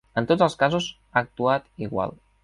En tots els casos ha actuat igual.